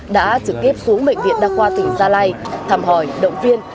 đã trực tiếp xuống bệnh viện đa khoa tỉnh gia lai thăm hỏi động viên